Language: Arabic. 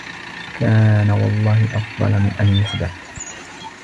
كَانَ وَاَللَّهِ أَفْضَلَ مِنْ أَنْ يُخْدَعَ